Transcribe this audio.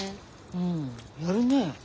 うんやるねえ。